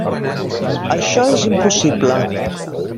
Això és impossible.